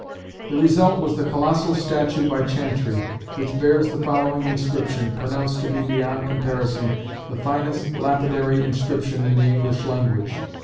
The result was the colossal statue by Chantrey which bears the following inscription, pronounced to be beyond comparison "the finest lapidary inscription in the English language."